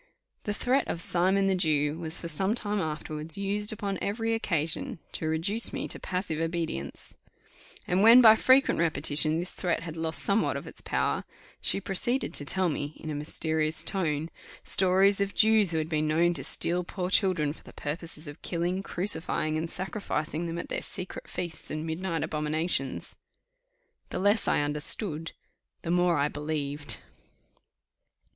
The threat of "Simon the Jew" was for some time afterwards used upon every occasion to reduce me to passive obedience; and when by frequent repetition this threat had lost somewhat of its power, she proceeded to tell me, in a mysterious tone, stories of Jews who had been known to steal poor children for the purpose of killing, crucifying, and sacrificing them at their secret feasts and midnight abominations. The less I understood, the more I believed.